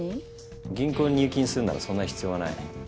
銀行に入金するならそんな必要はない。